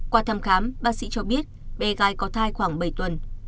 qua thăm khám bác sĩ cho biết bé gái có thai khoảng bảy tuần